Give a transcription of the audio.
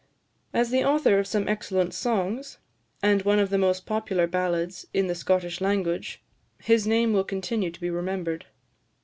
As the author of some excellent songs, and one of the most popular ballads in the Scottish language, his name will continue to be remembered.